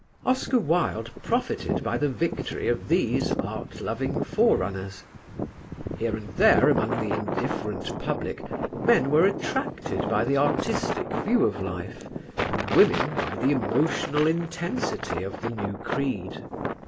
Oscar Wilde profited by the victory of these art loving forerunners. Here and there among the indifferent public, men were attracted by the artistic view of life and women by the emotional intensity of the new creed.